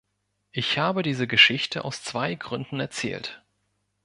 Ich habe diese Geschichte aus zwei Gründen erzählt.